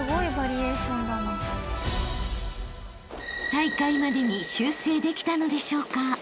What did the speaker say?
［大会までに修正できたのでしょうか］